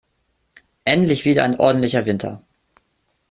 Endlich wieder ein ordentlicher Winter!